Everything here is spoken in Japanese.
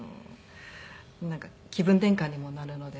なんか気分転換にもなるので。